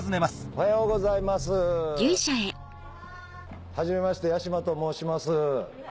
・おはようございます・はじめまして八嶋と申します。